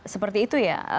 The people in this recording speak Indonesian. seperti itu ya